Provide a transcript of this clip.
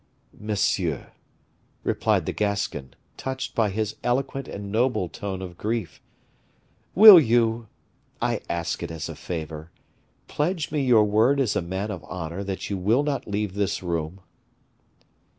"Monsieur," replied the Gascon, touched by his eloquent and noble tone of grief, "will you I ask it as a favor pledge me your word as a man of honor that you will not leave this room?"